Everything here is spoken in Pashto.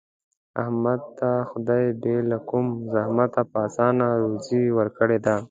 احمد ته خدای بې له کوم زحمته په اسانه روزي ورکړې ده.